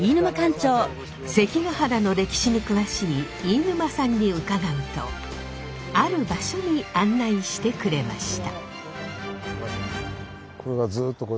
関ケ原の歴史に詳しい飯沼さんに伺うとある場所に案内してくれました。